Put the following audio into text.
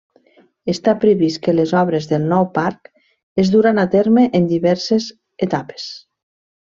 Està previst que les obres del nou parc es duran a terme en diverses etapes.